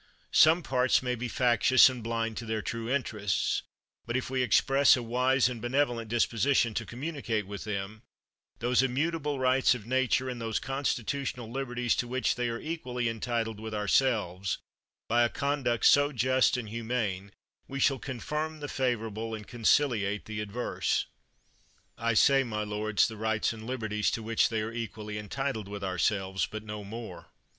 Some parts may be factious and blind to their true interests; but if we express a wise and benevo lent disposition to communicate with them, those immutable rights of nature and those constitu tional liberties to which they are equally entitled with ourselves, by a conduct so just and humane we shall confirm the favorable and conciliate the adverse. I say, my lords, the rights and liberties to which they are equally entitled with ourselves, hut no more.